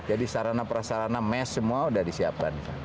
jadi sarana prasarana mesh semua sudah disiapkan